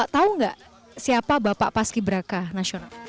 tahu nggak siapa bapak paskibraka nasional